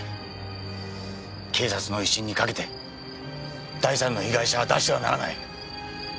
警察の威信にかけて第３の被害者は出してはならない。